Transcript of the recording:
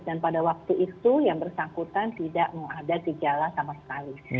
dan pada waktu itu yang bersangkutan tidak mengadat dijalan sama sekali